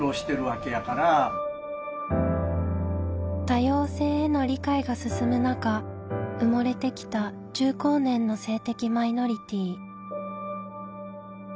多様性への理解が進む中埋もれてきた中高年の性的マイノリティー。